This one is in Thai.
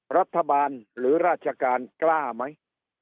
รัฐบาลหรือราชการกล้าไหม